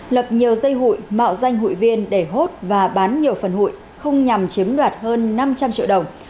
lập nhiều dây hụi mạo danh hụi viên để hốt và bán nhiều phần hụi không nhằm chiếm đoạt hơn năm trăm linh triệu đồng